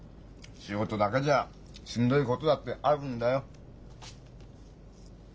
仕事だけじゃしんどいことだってあるんだよ。